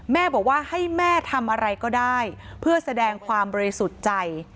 แม่บอกว่าให้แม่ทำอะไรก็ได้เพื่อแสดงความบริสุทธิ์ใจ